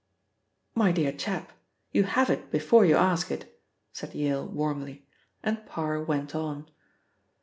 "My dear chap, you have it before you ask it," said Yale warmly, and Parr went on.